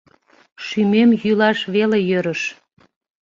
Шӱмем йӱлаш веле йӧрыш.